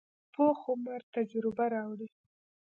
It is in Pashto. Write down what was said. پوخ عمر تجربه راوړي